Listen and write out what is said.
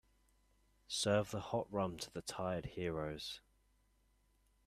Serve the hot rum to the tired heroes.